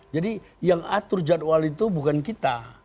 jadi yang atur jadwal itu bukan kita